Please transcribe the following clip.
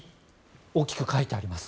大きく書いてあります。